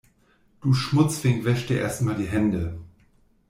Du Schmutzfink wäschst dir erst mal die Hände.